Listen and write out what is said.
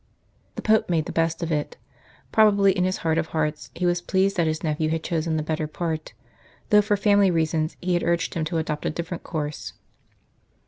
The Pope made the best of it. Probably in his heart of hearts he was pleased that his nephew had chosen the better part, though for family reasons he had urged him to adopt a different course.